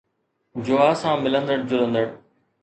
جوا سان ملندڙ جلندڙ